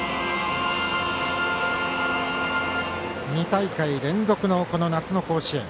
２大会連続の夏の甲子園。